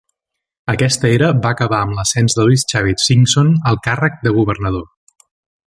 Aquesta era va acabar amb l'ascens de Luis "Chavit" Singson al càrrec de governador.